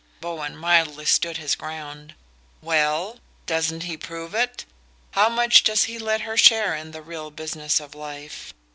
Bowen mildly stood his ground. "Well doesn't he prove it? How much does he let her share in the real business of life?